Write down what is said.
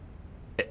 えっ？